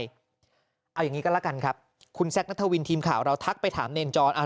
เอาอย่างนี้ก็แล้วกันครับคุณแซคนัทวินทีมข่าวเราทักไปถามเนรจร